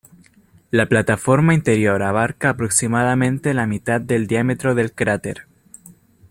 La plataforma interior abarca aproximadamente la mitad del diámetro del cráter.